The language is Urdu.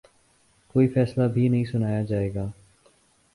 کوئی فیصلہ نہیں سنایا جائے گا